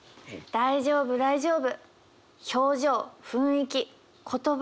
大丈夫大丈夫。